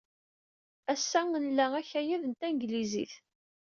Ass-a, nla akayad n tanglizit.